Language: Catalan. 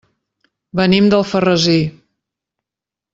Venim d'Alfarrasí.